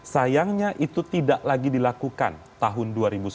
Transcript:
sayangnya itu tidak lagi dilakukan tahun dua ribu sembilan belas